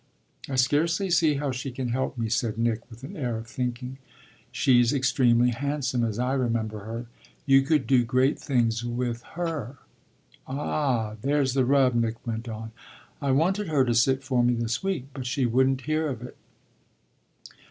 "I scarcely see how she can help me," said Nick with an air of thinking. "She's extremely handsome as I remember her. You could do great things with her." "Ah, there's the rub," Nick went on. "I wanted her to sit for me this week, but she wouldn't hear of it."